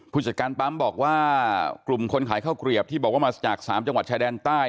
ผู้จัดการปั๊มบอกว่ากลุ่มคนขายข้าวเกลียบที่บอกว่ามาจาก๓จังหวัดชายแดนใต้